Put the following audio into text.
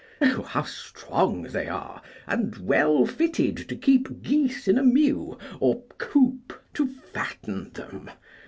O how strong they are, and well fitted to keep geese in a mew or coop to fatten them!